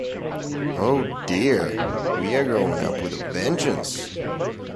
Oh dear, we are growing up with a vengeance.